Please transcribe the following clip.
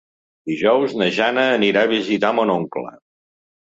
Dijous na Jana anirà a visitar mon oncle.